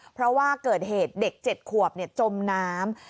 เพราะว่าเกิดเหตุเด็ก๗ขวบจมน้ำ